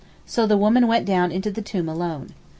So the woman went down into the tomb alone.